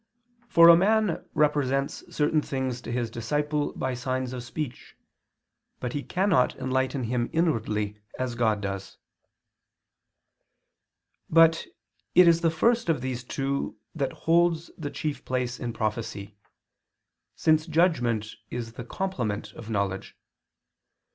For a man represents certain things to his disciple by signs of speech, but he cannot enlighten him inwardly as God does. But it is the first of these two that holds the chief place in prophecy, since judgment is the complement of knowledge.